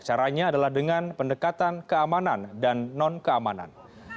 caranya adalah dengan pendekatan keamanan dan non keamanan